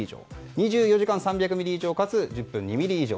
２４時間３００ミリ以上かつ１０分２ミリ以上。